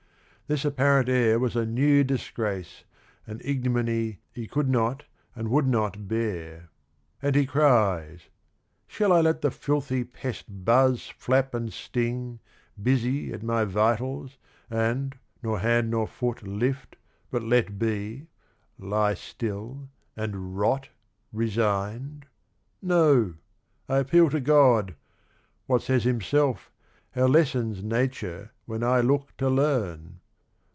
This apparent heir was a new disgrace, an ignominy he could not and would not bear — and he cries " Shall I let the filthy pest buzz, flap and sting, Busy at my vitals and, nor hand nor foot Lift, but let be, lie still and rot resigned? No, I appeal to God, — what says Himself, How lessons Nature when I look to learn?